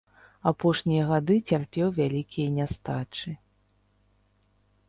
Апошнія гады цярпеў вялікія нястачы.